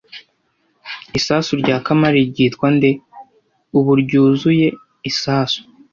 Isasu rya kamali ryitwa nde (ubu ryuzuye) Isasu